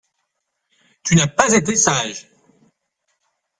Tu n’as pas été sage!...